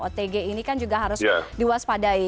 otg ini kan juga harus diwaspadai